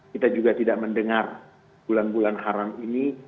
kita juga tidak mendengar bulan bulan haram ini